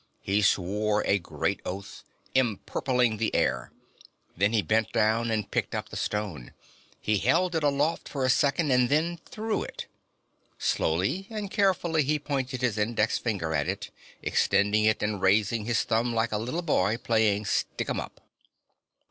He swore a great oath, empurpling the air. Then he bent down and picked up the stone. He held it aloft for a second, and then threw it. Slowly and carefully he pointed his index finger at it, extending it and raising his thumb like a little boy playing Stick 'Em Up.